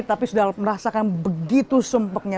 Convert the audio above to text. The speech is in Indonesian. tapi sudah merasakan begitu sempetnya